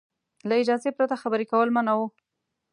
له اجازې پرته خبرې کول منع وو.